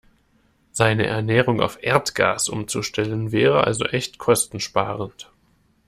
Seine Ernährung auf Erdgas umzustellen, wäre also echt kostensparend.